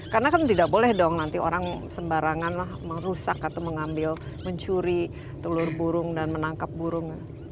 karena kan tidak boleh dong nanti orang sembarangan merusak atau mengambil mencuri telur burung dan menangkap burung